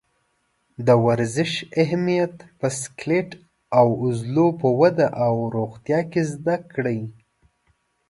د ورزش اهمیت په سکلیټ او عضلو په وده او روغتیا کې زده کړئ.